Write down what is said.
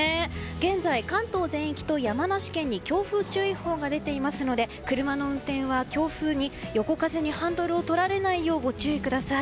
現在、関東全域と山梨県に強風注意報が出ていますので車の運転は強風、横風にハンドルを取られないようにご注意ください。